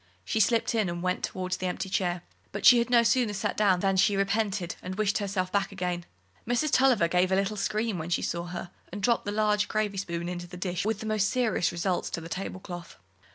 She slipped in and went towards the empty chair. But she had no sooner sat down than she repented, and wished herself back again. Mrs. Tulliver gave a little scream as she saw her, and dropped the large gravy spoon into the dish with the most serious results to the tablecloth.